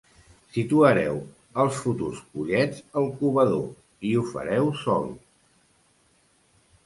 Situareu els futurs pollets al covador, i ho fareu sol.